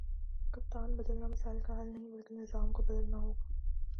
کپتان بدلنا مسائل کا حل نہیں بلکہ نظام کو بدلنا ہوگا